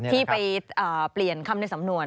ที่ไปเปลี่ยนคำในสำนวน